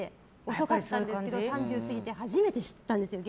遅かったんですけど３０過ぎて初めて知ったんですよ。